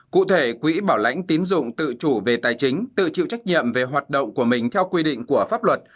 cụ thể quỹ bảo lãnh tín dụng tự chủ về tài chính tự chịu trách nhiệm về hoạt động của mình theo quy định của pháp luật